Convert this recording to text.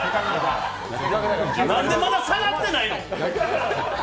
何でまだ下がってないの？